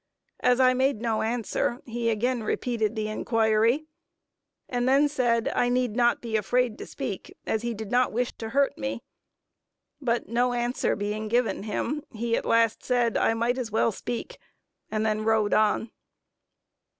As I made no answer, he again repeated the inquiry; and then said, I need not be afraid to speak, as he did not wish to hurt me; but no answer being given him, he at last said I might as well speak, and rode on.